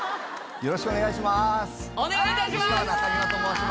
よろしくお願いします。